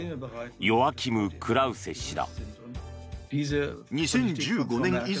ヨアキム・クラウセ氏だ。